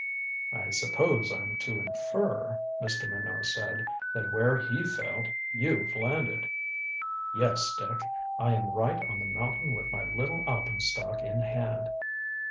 "I suppose I'm to infer," Mr. Minot said, "that where he failed, you've landed." "Yes, Dick. I am right on the mountain with my little alpenstock in hand."